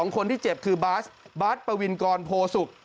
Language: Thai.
คนที่เจ็บคือบาสบาร์ดปวินกรโพสุก